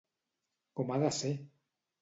Com ha de ser!